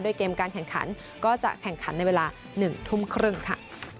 เกมการแข่งขันก็จะแข่งขันในเวลา๑ทุ่มครึ่งค่ะ